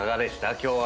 今日は。